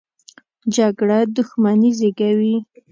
جګړه دښمني زېږوي